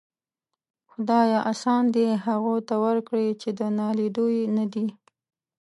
خداىه! آسان دي هغو ته ورکړي چې د ناليدو يې ندې.